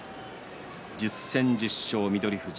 １０戦１０勝、翠富士。